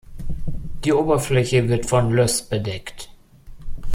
Die Oberfläche wird von Löss bedeckt.